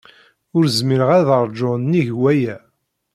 Ur zmireɣ ad ṛjuɣ nnig waya.